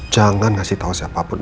jangan ngasih tau siapa pun